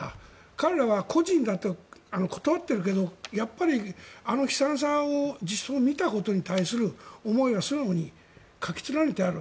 彼らは個人だって断っているけれどやはりあの悲惨さを実相を見たことに対する思いは素直に書き連ねてある。